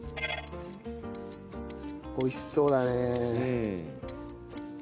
美味しそうだね。